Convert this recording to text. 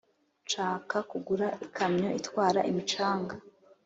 nshaka kugura ikamyo itwara imicanga